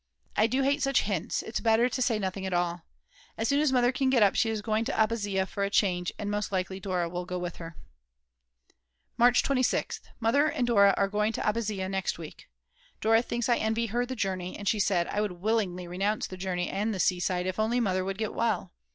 I do hate such hints, it's better to say nothing at all. As soon as Mother can get up she is going to Abbazia for a change, and most likely Dora will go with her. March 26th. Mother and Dora are going to Abbazzia next week. Dora thinks I envy her the journey, and she said: "I would willingly renounce the journey and the seaside if only Mother would get well.